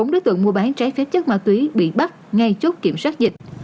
bốn đối tượng mua bán trái phép chất ma túy bị bắt ngay chốt kiểm soát dịch